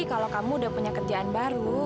kalau kamu udah punya kerjaan baru